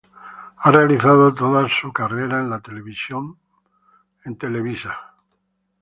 Ha realizado toda su carrera en la televisión por Televisa.